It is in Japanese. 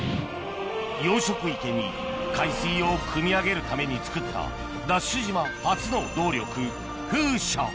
・養殖池に海水をくみ上げるために作ったＤＡＳＨ島初の動力